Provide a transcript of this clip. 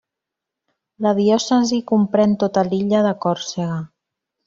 La diòcesi comprèn tota l'illa de Còrsega.